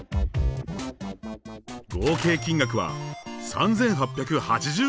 合計金額は３，８８０円でした。